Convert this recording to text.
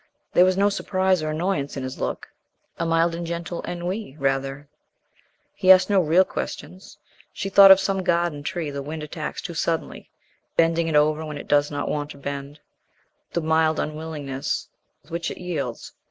There was no surprise or annoyance in his look; a mild and gentle ennui rather. He asked no real question. She thought of some garden tree the wind attacks too suddenly, bending it over when it does not want to bend the mild unwillingness with which it yields.